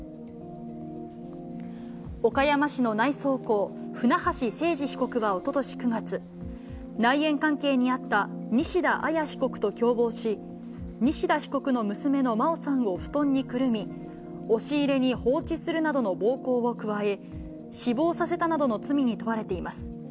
岡山市の内装工、船橋誠二被告はおととし９月、内縁関係にあった西田彩被告と共謀し、西田被告の娘の真愛さんを布団にくるみ、押し入れに放置するなどの暴行を加え、死亡させたなどの罪に問われています。